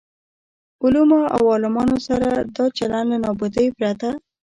علومو او عالمانو سره دا چلن له نابودۍ پرته.